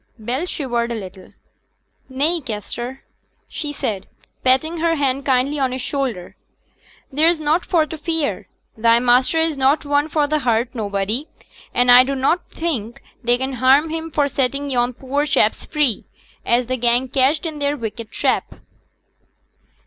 Bell shivered a little. 'Nay, Kester,' she said, patting her hand kindly on his shoulder; 'there's nought for t' fear. Thy master is not one for t' hurt nobody; and I dunnot think they can harm him for setting yon poor chaps free, as t' gang catched i' their wicked trap.'